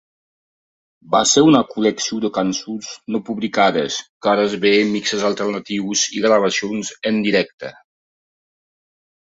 Va ser una col·lecció de cançons no publicades, cares b, mixes alternatius i gravacions en directe.